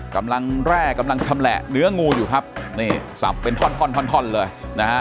กำลังแร่กำลังชำแหละเนื้องูอยู่ครับนี่สับเป็นท่อนเลยนะฮะ